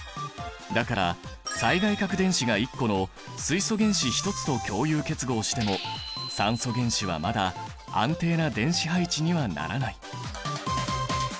だから最外殻電子が１個の水素原子１つと共有結合しても酸素原子はまだ安定な電子配置にはならない。